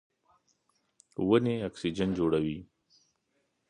ونې اکسیجن جوړوي.